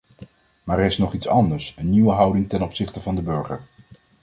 Maar er is nog iets anders, een nieuwe houding ten opzichte van de burger.